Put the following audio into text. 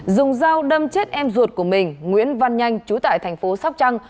dùng dao đâm chết em ruột của mình nguyễn văn nhanh trú tại thành phố sóc trăng